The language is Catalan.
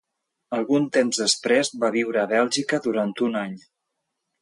Algun temps després, va viure a Bèlgica durant un any.